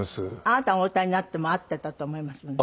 あなたがお歌いになっても合ってたと思いますね。